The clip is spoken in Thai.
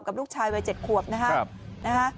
ลูกชายวัย๗ขวบนะฮะ